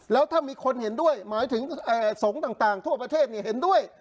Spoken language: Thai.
แล้วถ้ามีคนเห็นด้วยหมายถึงสงฆ์ต่างทั่วประเทศเห็นด้วย